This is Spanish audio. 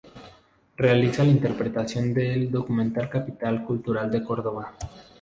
La gobernación de Kaluga limitaba con las de Moscú, Tula, Oriol y Smolensk.